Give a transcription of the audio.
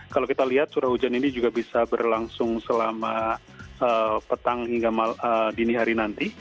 kalau kita lihat curah hujan ini juga bisa berlangsung selama petang hingga dini hari nanti